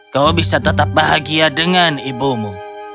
kau bisa tetap bahagia dengan ibumu